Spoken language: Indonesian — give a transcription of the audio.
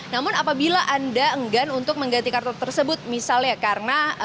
namun apabila anda enggan untuk mengganti kartu tersebut misalnya karena